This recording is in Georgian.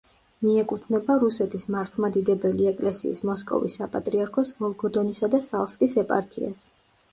მიეკუთვნება რუსეთის მართლმადიდებელი ეკლესიის მოსკოვის საპატრიარქოს ვოლგოდონისა და სალსკის ეპარქიას.